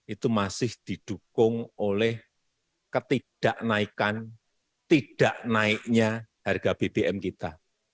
itu masih didukung oleh ketidaknaikan tidak naiknya harga bbm kita